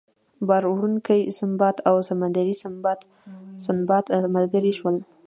بار وړونکی سنباد او سمندري سنباد ملګري شول.